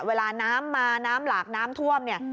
เวลาน้ำมาน้ำหลากน้ำท่วมเนี่ย